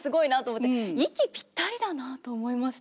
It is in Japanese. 息ぴったりだなと思いました。